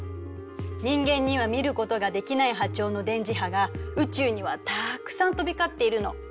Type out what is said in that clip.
人間には見ることができない波長の電磁波が宇宙にはたくさん飛び交っているの。